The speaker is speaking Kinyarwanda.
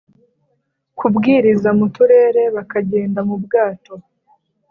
kubwiriza mu turere bakagenda mu bwato